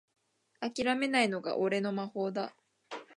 あきらめないのが俺の魔法だ